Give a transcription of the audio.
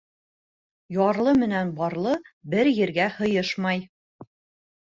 Ярлы менән барлы бер ергә һыйышмай.